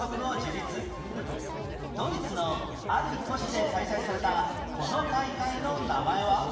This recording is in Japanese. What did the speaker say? ドイツのある都市で開催されたこの大会の名前は？